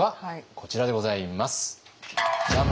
こちらでございますジャン。